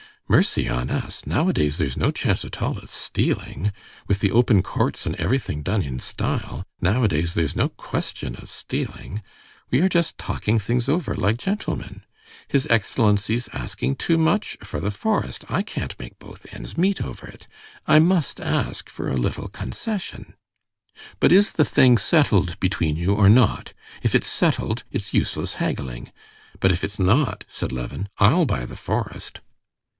"Mercy on us! nowadays there's no chance at all of stealing. With the open courts and everything done in style, nowadays there's no question of stealing. We are just talking things over like gentlemen. His excellency's asking too much for the forest. I can't make both ends meet over it. I must ask for a little concession." "But is the thing settled between you or not? If it's settled, it's useless haggling; but if it's not," said Levin, "I'll buy the forest."